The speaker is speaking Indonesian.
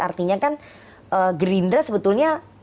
artinya kan gerindra sebetulnya